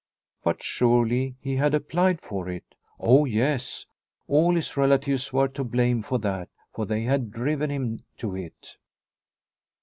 But surely he had applied for it ? Oh yes, all his relatives were to blame for that, for they had driven him to it.